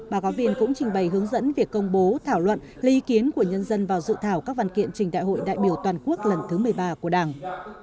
báo cáo viên cũng trình bày hướng dẫn việc công bố thảo luận lý kiến của nhân dân vào dự thảo các văn kiện trình đại hội đại biểu toàn quốc lần thứ một mươi ba của đảng